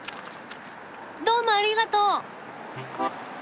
どうもありがとう！